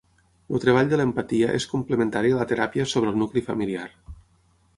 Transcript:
El treball de l'empatia és complementari a la teràpia sobre el nucli familiar.